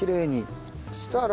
したら？